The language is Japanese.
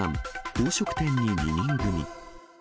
宝飾店に２人組。